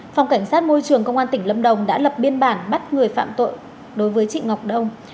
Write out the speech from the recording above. phòng cảnh sát môi trường công an tỉnh lâm đồng đã lập biên bản bắt người phạm tội đối với chị ngọc đông